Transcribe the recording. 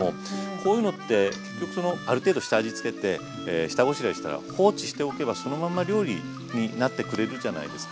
こういうのって結局そのある程度下味つけて下ごしらえしたら放置しておけばそのまま料理になってくれるじゃないですか。